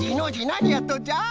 なにやっとんじゃ？